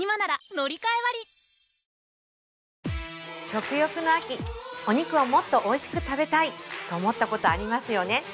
食欲の秋お肉をもっとおいしく食べたいと思ったことありますよね